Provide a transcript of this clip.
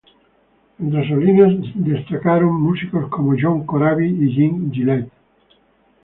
Entre sus líneas se destacaron músicos como John Corabi y Jim Gillette.